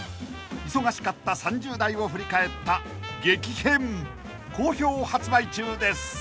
［忙しかった３０代を振り返った『激変』好評発売中です］